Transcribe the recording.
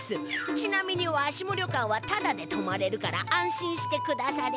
ちなみにわしも旅館はタダでとまれるから安心してくだされ。